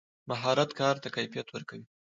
مهارت کار ته کیفیت ورکوي.